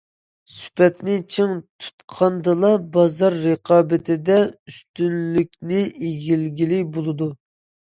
سۈپەتنى چىڭ تۇتقاندىلا، بازار رىقابىتىدە ئۈستۈنلۈكنى ئىگىلىگىلى بولىدۇ.